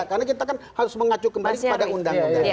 karena kita kan harus mengacu kembali pada undang undang